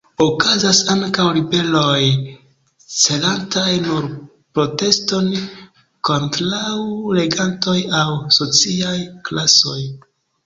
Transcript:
Okazas ankaŭ ribeloj celantaj nur proteston kontraŭ regantoj aŭ sociaj klasoj.